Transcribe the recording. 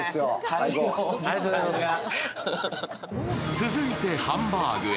続いてハンバーグへ。